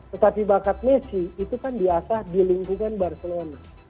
tetapi bakat messi itu kan biasa di lingkungan barcelona